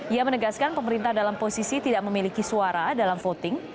ia menegaskan pemerintah dalam posisi tidak memiliki suara dalam voting